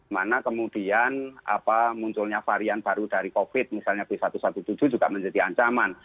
mana kemudian munculnya varian baru dari covid misalnya b satu ratus tujuh belas juga menjadi ancaman